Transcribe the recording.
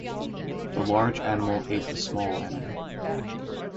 The large animal ate the small animal.